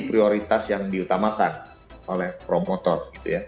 prioritas yang diutamakan oleh promotor gitu ya